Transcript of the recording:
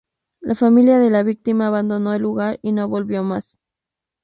La familia de la víctima abandonó el lugar y no volvió más.